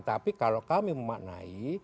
tapi kalau kami memaknai